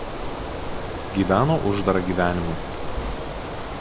Gyveno uždarą gyvenimą.